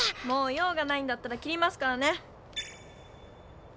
もう用がないんだったら切りますからね。